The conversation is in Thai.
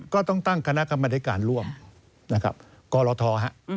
ก็ต้องตั้งคณะกรรมธิการร่วมนะครับกรทฮะ